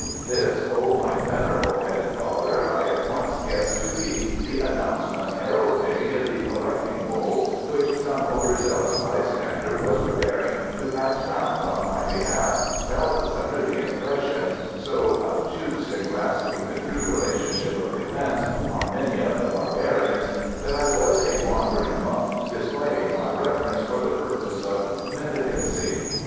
This, O my venerable headed father, I at once guessed to be the announcement heralding the collecting bowl which some over zealous bystander was preparing to pass round on my behalf, doubtless under the impression so obtuse in grasping the true relationship of events are many of the barbarians that I was a wandering monk, displaying my reverence for the purpose of mendicancy.